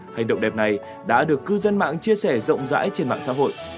hành động đẹp này đã được cư dân mạng chia sẻ rộng rãi trên mạng xã hội